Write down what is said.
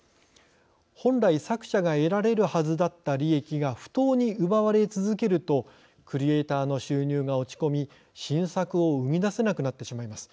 本来、作者が得られるはずだった利益が不当に奪われ続けるとクリエイターの収入が落ち込み新作を生み出せなくなってしまいます。